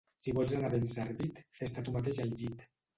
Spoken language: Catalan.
Si vols anar ben servit, fés-te tu mateix el llit